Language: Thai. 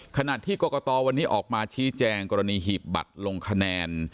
ขณะที่กรกตวันนี้ออกมาชี้แจงกรณีหีบบัตรลงคะแนน